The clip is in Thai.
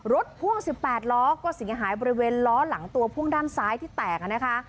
พ่วง๑๘ล้อก็เสียหายบริเวณล้อหลังตัวพ่วงด้านซ้ายที่แตกนะคะ